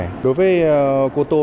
đối với cô tô thì chúng tôi có các hệ thống